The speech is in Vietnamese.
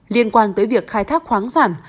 liên quan tới việc khai thác khoáng giản